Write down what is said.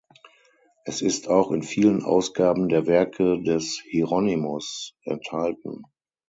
Es ist auch in vielen Ausgaben der Werke des Hieronymus enthalten.